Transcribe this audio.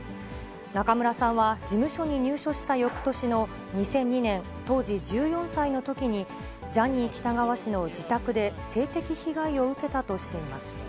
中村さんは、事務所に入所したよくとしの２００２年、当時１４歳のときに、ジャニー喜多川氏の自宅で性的被害を受けたとしています。